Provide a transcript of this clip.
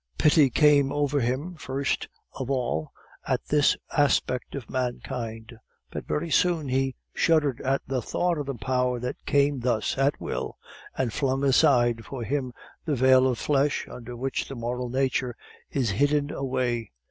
Pity came over him, first of all, at this aspect of mankind, but very soon he shuddered at the thought of the power that came thus, at will, and flung aside for him the veil of flesh under which the moral nature is hidden away.